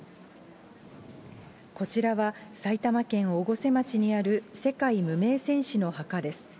こちらは埼玉県越生町にある世界無名戦士之墓です。